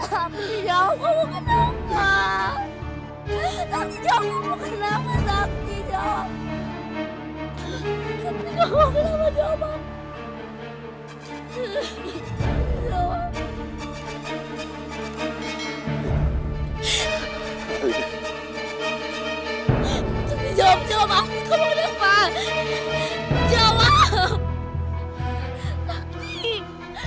kau jangan nangis dong